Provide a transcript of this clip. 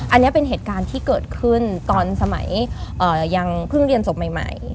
อันนี้เป็นเหตุการณ์ที่เกิดขึ้นตอนสมัยยังเพิ่งเรียนศพใหม่